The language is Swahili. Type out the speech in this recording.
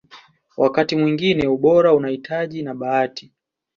Wakati mwingine ubora unahita na bahati